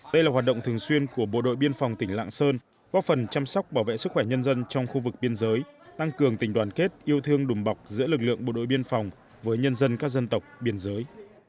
đây là hoạt động thường xuyên của bộ đội biên phòng tỉnh lạng sơn góp phần chăm sóc bảo vệ sức khỏe nhân dân trong khu vực biên giới tăng cường tình đoàn kết yêu thương đùm bọc giữa lực lượng bộ đội biên phòng với nhân dân các dân tộc biên giới